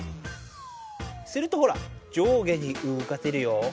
するとほら上下にうごかせるよ。